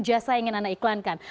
jasa ingin anda iklankan